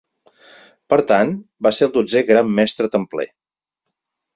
Per tant, va ser el dotzè Gran Mestre Templer.